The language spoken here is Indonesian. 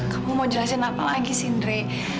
kamu mau jelasin apa lagi sih ndre